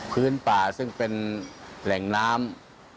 พื้นป่าซึ่งเป็นแหล่งน้ำ